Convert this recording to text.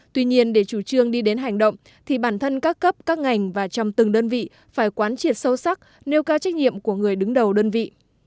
tuy nhiên để chủ trương đi đến hành động thì bản thân các cấp các ngành và trong từng đơn vị phải quán triệt sâu sắc nêu cao trách nhiệm của người đứng đầu đơn vị